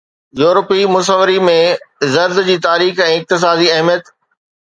يورپي مصوري ۾ زرد جي تاريخي ۽ اقتصادي اهميت